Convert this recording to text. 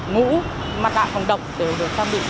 ngũ mặt đạp phòng động để được trang bị